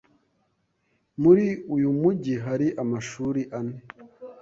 Muri uyu mujyi hari amashuri ane.